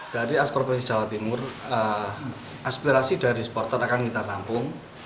dari asprofesi jawa timur aspirasi dari supporter akan kita tampung